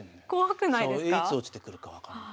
いつ落ちてくるか分かんない。